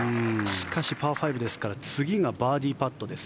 しかしパー５ですから次がバーディーパットです。